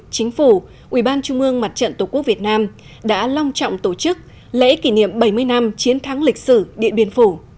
chính phủ ubnd tổ quốc việt nam đã long trọng tổ chức lễ kỷ niệm bảy mươi năm chiến thắng lịch sử điện biên phủ